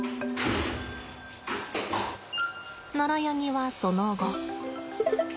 ナラヤニはその後。